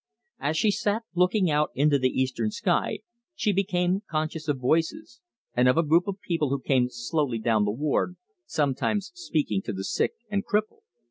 As she sat looking out into the eastern sky she became conscious of voices, and of a group of people who came slowly down the ward, sometimes speaking to the sick and crippled.